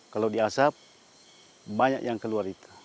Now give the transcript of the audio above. kalau di asap banyak yang keluar itu